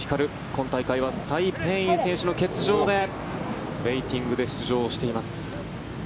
今大会はサイ・ペイイン選手の欠場でウェイティングで出場しています。